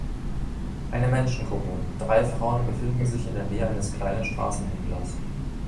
Eine Menschengruppe, drei Frauen befinden sich in der Nähe eines kleinen Straßenhändlers.